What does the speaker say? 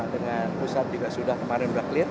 dengan pusat juga sudah kemarin udah clean